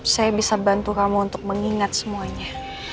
saya bisa bantu kamu untuk mengingat semuanya